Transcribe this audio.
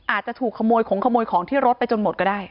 อาจจะถูกขโมยของขโมยของที่รถไปจนหมดก็ได้